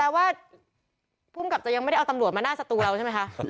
แปลว่าพูดกับจะยังไม่ได้เอาตำหลวดมาน่าสัตวร์เราใช่ไหมคะ